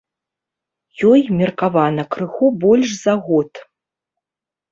Ёй меркавана крыху больш за год.